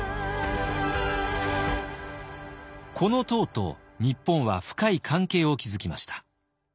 この唐と日本は深い関係を築きました。